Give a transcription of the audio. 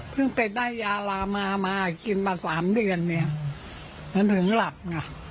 เพิ่งแต่ได้ยารามามากินมา๓เดือนเนี่ยมันถึงหลับนะ